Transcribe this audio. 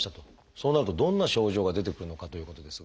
そうなるとどんな症状が出てくるのかということですが。